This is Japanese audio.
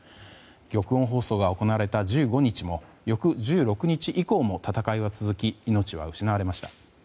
玉音放送が行われた１５日も翌１６日以降も戦いは続き、命は失われました。